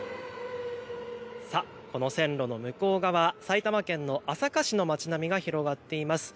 この線路の向こう側、埼玉県の朝霞市の町並みが広がっています。